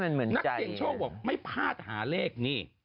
นักเสี่ยงโชคบอกไม่พลาดหาเลขนี่